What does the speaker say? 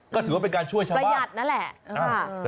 ก็ถือว่าเป็นการช่วยชาวประหยัดนั่นแหละ